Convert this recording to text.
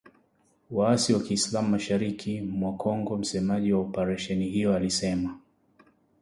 waasi wa kiislam mashariki mwa Kongo, msemaji wa oparesheni hiyo alisema